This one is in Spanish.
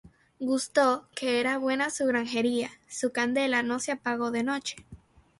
Gustó que era buena su granjería: Su candela no se apagó de noche.